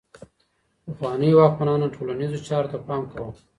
پخوانيو واکمنانو ټولنيزو چارو ته پام کاوه.